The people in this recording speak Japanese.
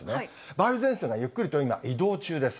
梅雨前線がゆっくりと今、移動中です。